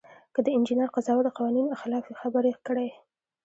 که د انجینر قضاوت د قوانینو خلاف وي خبره یې کړئ.